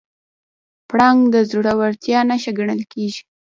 پړانګ د زړورتیا نښه ګڼل کېږي.